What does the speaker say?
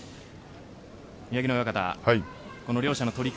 宮城野親方、この両者の取組